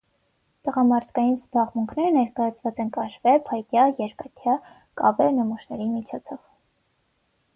Տղամարդկային զբաղմունքները ներկայացված են կաշվե, փայտյա, երկաթյա, կավե նմուշների միջոցով։